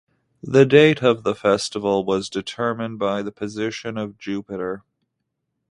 The date of the festival was determined by the position of Jupiter.